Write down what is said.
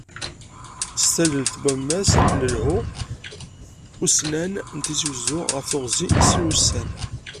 S tallelt n Wammas n Lhu Ussnan n Tizi Uzzu, ɣef teɣzi n sin wussan.